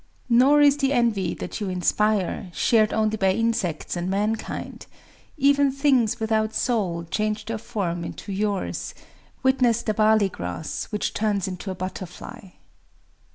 Nor is the envy that you inspire shared only by insects and mankind: even things without soul change their form into yours;—witness the barley grass, which turns into a butterfly.